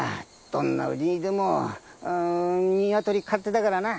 どんなうちでもニワトリ飼ってたからな。